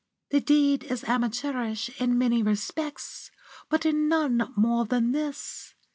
The deed is amateurish in many respects, but in none more than this.